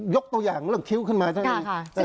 ยกตัวอย่างเรื่องคิ้วขึ้นมาได้